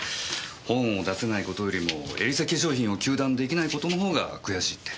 本を出せない事よりもエリセ化粧品を糾弾できない事のほうが悔しいって。